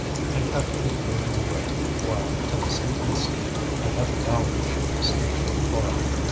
And Catherine drew him away, while, at the same instant, a heavy gallop shook the street from afar.